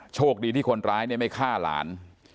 โชคดีที่คนร้ายไม่ฆ่าหลาน